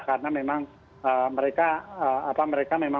karena memang mereka